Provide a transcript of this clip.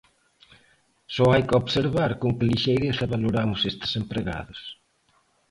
Só hai que observar con que lixeireza valoramos estes empregados.